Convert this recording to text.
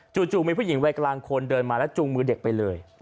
จู่มีผู้หญิงวัยกลางคนเดินมาแล้วจูงมือเด็กไปเลย